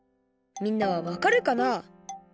みんなはわかるかな？